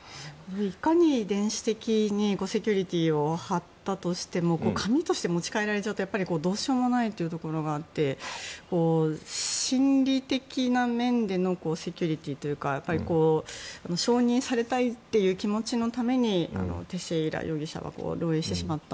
いかに電子的にセキュリティーを張ったとしても紙として持ち帰られちゃうとどうしようもないところがあって心理的な面でのセキュリティーというか承認されたいという気持ちのためにテシェイラ容疑者は漏洩してしまった。